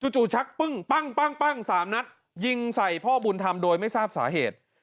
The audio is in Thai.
จู่ชักปึ้งปั้ง๓นัดยิงใส่พ่อบุญธรรมโดยไม่ทราบสาเหตุ